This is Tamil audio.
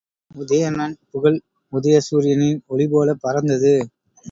உதயணன் புகழ் உதய சூரியனின் ஒளிபோலப் பரந்தது.